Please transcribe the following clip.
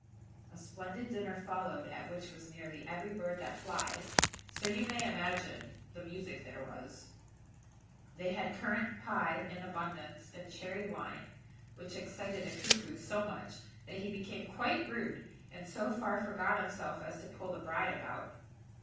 A splendid dinner followed, at which was nearly every bird that flies; so you may imagine the music there was. They had currant pie in abundance; and cherry wine, which excited a cuckoo so much, that he became quite rude, and so far forgot himself as to pull the bride about.